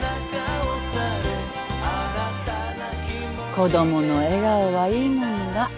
子供の笑顔はいいもんだ。